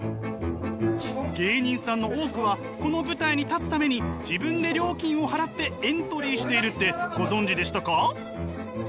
芸人さんの多くはこの舞台に立つために自分で料金を払ってエントリーしているってご存じでしたか？